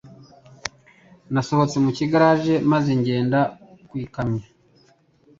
Nasohotse mu igaraje maze ngenda ku gikamyo.